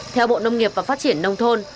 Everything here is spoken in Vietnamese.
theo bộ nông nghiệp và phát triển nông thôn